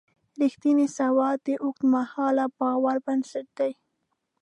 رښتینې سودا د اوږدمهاله باور بنسټ دی.